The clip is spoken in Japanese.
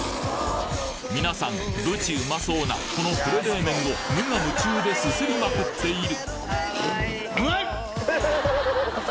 みなさんぶちうまそうなこの呉冷麺を無我夢中ですすりまくっている！